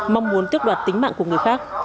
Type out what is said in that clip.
mong muốn tước đoạt tính mạng của người khác